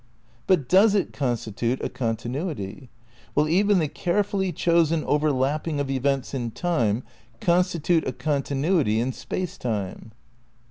But does it constitute a continuity? Will even the carefully chosen overlapping of events in Time con stitute a continuity in Space Time?